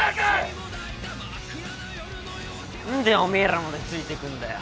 何でおめえらまでついてくんだよ。